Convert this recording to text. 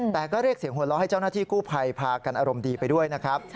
แต่ก็เรียกเสียงหัวเราะให้เจ้าหน้าที่กู้ภัยพากันอารมณ์ดีไปด้วยนะครับ